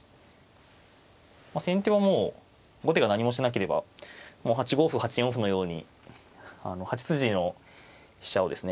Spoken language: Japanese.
先手はもう後手が何もしなければ８五歩８四歩のように８筋の飛車をですね